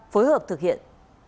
phối hợp thực hiện